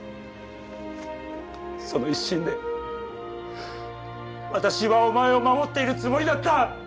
その一心で私はお前を守っているつもりだった！